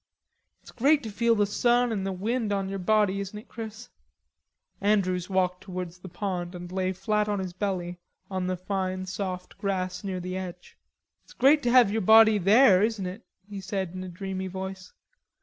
"It's great to feel the sun and the wind on your body, isn't it, Chris?" Andrews walked towards the pond and lay flat on his belly on the fine soft grass near the edge. "It's great to have your body there, isn't it?" he said in a dreamy voice.